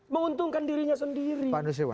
menguntungkan dirinya sendiri